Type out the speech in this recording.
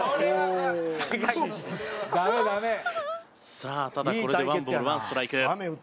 さあただこれでワンボールワンストライク。